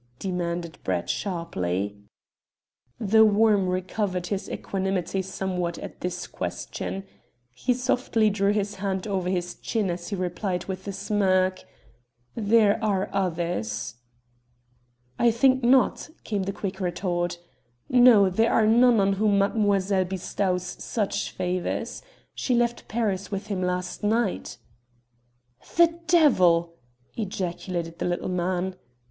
demanded Brett sharply. "The Worm" recovered his equanimity somewhat at this question. He softly drew his hand over his chin as he replied with a smirk: "There are others!" "I think not," came the quick retort. "No; there are none on whom mademoiselle bestows such favours. She left Paris with him last night." "The devil!" ejaculated the little man.